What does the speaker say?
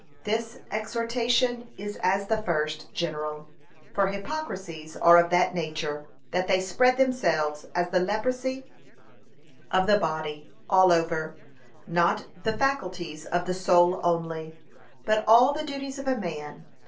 This exhortation is as the first, general; for hypocrisies are of that nature, that they spread themselves as the leprosy of the body, all over; not the faculties of the soul only, but all the duties of a man.